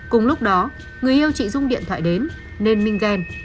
cùng lúc đó người yêu chị dung điện thoại đến nên mình ghen